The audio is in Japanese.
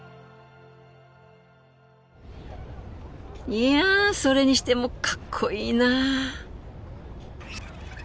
いやそれにしてもかっこいいなあ。